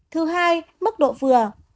thứ hai mức độ vừa